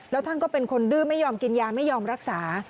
แล้วท่านก็เป็นคนดื้อไม่ยอมกินยาไม่ยอมรักษา